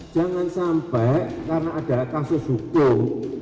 jangan sampai karena ada kasus hukum